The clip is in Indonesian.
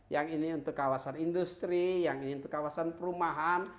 yang ini untuk kawasan industri yang ini untuk kawasan perumahan